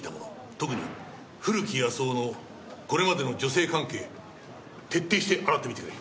特に古木保男のこれまでの女性関係徹底して洗ってみてくれ。